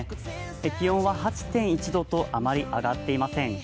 気温は８．１度と、あまり上がっていません。